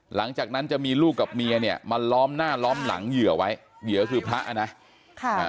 หลังจากนั้นจะมีลูกกับเมียเนี่ยมาล้อมหน้าล้อมหลังเหยื่อไว้เหยื่อคือพระนะค่ะอ่า